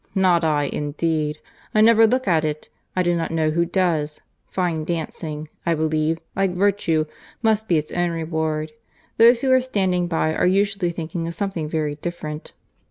—not I, indeed—I never look at it—I do not know who does.—Fine dancing, I believe, like virtue, must be its own reward. Those who are standing by are usually thinking of something very different."